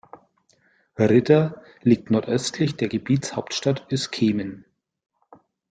Ridder liegt nordöstlich der Gebietshauptstadt Öskemen.